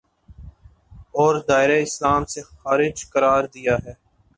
اور دائرۂ اسلام سے خارج قرار دیا ہے